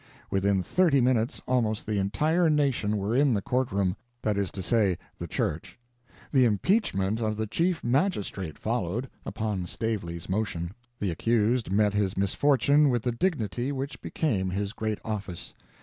Within thirty minutes almost the entire nation were in the court room that is to say, the church. The impeachment of the chief magistrate followed, upon Stavely's motion. The accused met his misfortune with the dignity which became his great office.